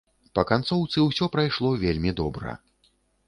Па канцоўцы ўсё прайшло вельмі добра.